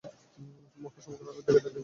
মক্কা সমগ্ররাত জেগে থাকে।